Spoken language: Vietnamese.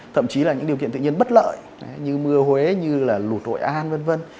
thậm chí là những điều kiện tự nhiên bất lợi như mưa huế như là lụt hội an v v